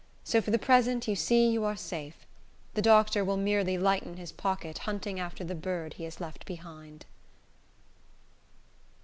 So, for the present, you see you are safe. The doctor will merely lighten his pocket hunting after the bird he has left behind."